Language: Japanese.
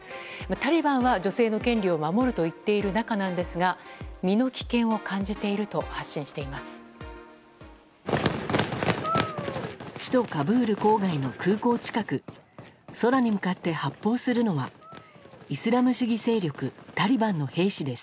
タリバンは女性の権利を守ると言っている中なんですが身の危険を感じていると発信しています。